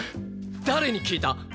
誰に聞いた！？